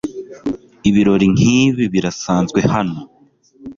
Ibirori nkibi birasanzwe hano.